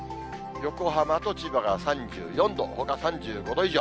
横浜と千葉が３４度、ほか３５度以上。